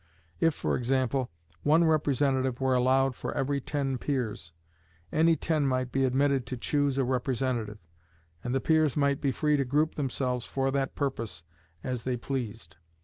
If, for example, one representative were allowed for every ten peers, any ten might be admitted to choose a representative, and the peers might be free to group themselves for that purpose as they pleased.